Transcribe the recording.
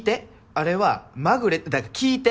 あれはまぐれだから聞いて！